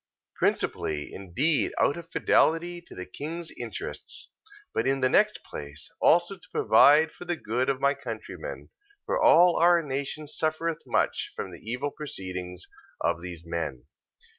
Principally indeed out of fidelity to the king's interests, but in the next place also to provide for the good of my countrymen: for all our nation suffereth much from the evil proceedings of these men.